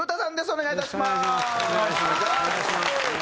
お願いします。